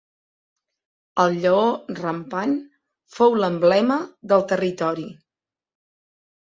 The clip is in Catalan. Ell lleó rampant fou l'emblema del territori.